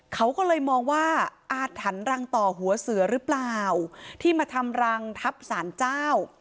เขาก็เลยมองว่าอาถรรพ์รังต่อหัวเสือหรือเปล่าที่มาทำรังทับสารเจ้า